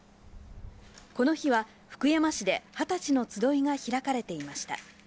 この日は、福山市で二十歳の集いが開かれていました。